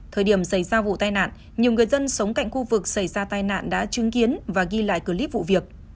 thời điểm xảy ra vụ tai nạn nhiều người dân sống cạnh khu vực xảy ra tai nạn đã chứng kiến và ghi lại clip vụ việc